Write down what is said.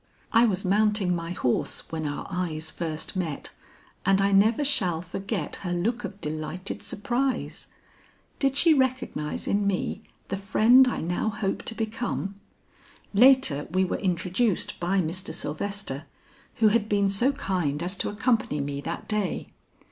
"I was mounting my horse when our eyes first met, and I never shall forget her look of delighted surprise. Did she recognize in me the friend I now hope to become? Later we were introduced by Mr. Sylvester who had been so kind as to accompany me that day.